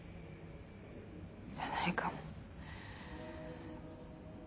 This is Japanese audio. じゃないかも。